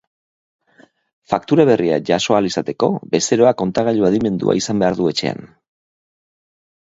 Faktura berria jaso ahal izateko, bezeroak kontagailu adimenduna izan behar du etxean.